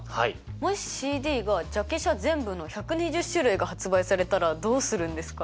もしＣＤがジャケ写全部の１２０種類が発売されたらどうするんですか？